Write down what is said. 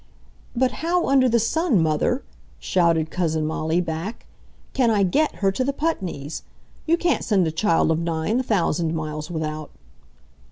"But how under the sun, Mother!" shouted Cousin Molly back, "can I GET her to the Putneys'? You can't send a child of nine a thousand miles without